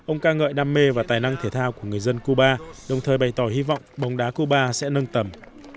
ông ca ngợi đam mê và tài năng thể thao của người dân cuba đồng thời bày tỏ hy vọng bóng đá cuba sẽ nâng tầm